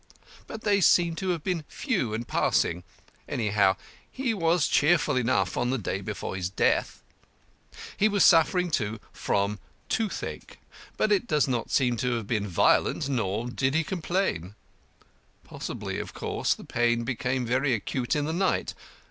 But they seem to have been few and passing. Anyhow, he was cheerful enough on the day before his death. He was suffering, too, from toothache. But it does not seem to have been violent, nor did he complain. Possibly, of course, the pain became very acute in the night.